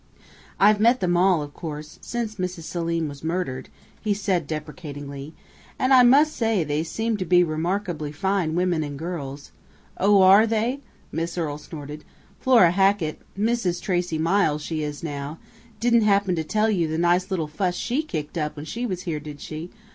"I've met them all, of course, since Mrs. Selim was murdered," he said deprecatingly, "and I must say they seem to be remarkably fine women and girls " "Oh are they?" Miss Earle snorted. "Flora Hackett Mrs. Tracey Miles she is now didn't happen to tell you the nice little fuss she kicked up when she was here, did she?